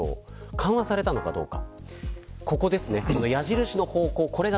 緩和されたのかどうか。